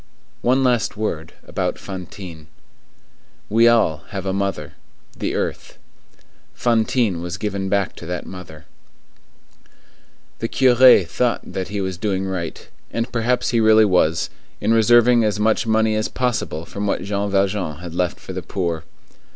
One last word about Fantine. We all have a mother,—the earth. Fantine was given back to that mother. The curé thought that he was doing right, and perhaps he really was, in reserving as much money as possible from what Jean Valjean had left for the poor.